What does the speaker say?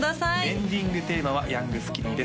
エンディングテーマはヤングスキニーです